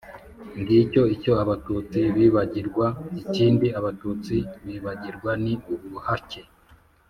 ngicyo icyo abatutsi bibagirwa. ikindi abatutsi bibagirwa ni ubuhake